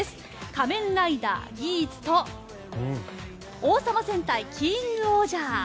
「仮面ライダーギーツ」と「王様戦隊キングオージャー」。